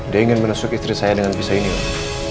dia ingin menusuk istri saya dengan pisah ini pak